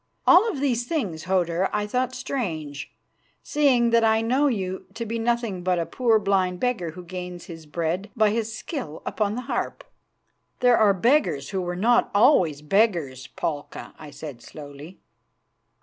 All of these things, Hodur, I thought strange, seeing that I know you to be nothing but a poor blind beggar who gains his bread by his skill upon the harp." "There are beggars who were not always beggars, Palka," I said slowly.